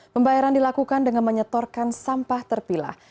pembayaran dilakukan dengan menyetorkan sampah terpilah